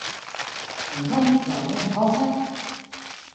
唔通又俾人拖車